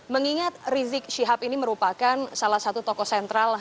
mengingat rizik syihab ini merupakan salah satu tokoh sentral